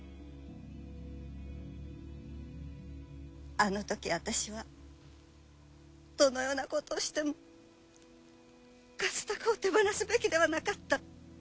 あのとき私はどのようなことをしても和鷹を手放すべきではなかった。